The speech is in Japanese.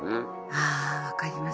あぁ分かります。